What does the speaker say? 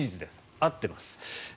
合っています。